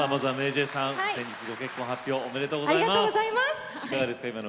先日は、ご結婚発表おめでとうございます。